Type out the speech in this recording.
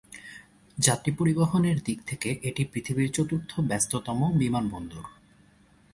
যাত্রী পরিবহনের দিক থেকে এটি পৃথিবীর চতুর্থ ব্যস্ততম বিমানবন্দর।